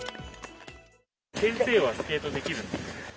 先生はスケートできるんですか？